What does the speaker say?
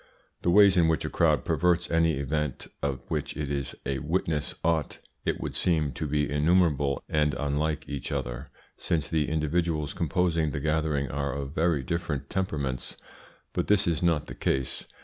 The ways in which a crowd perverts any event of which it is a witness ought, it would seem, to be innumerable and unlike each other, since the individuals composing the gathering are of very different temperaments. But this is not the case.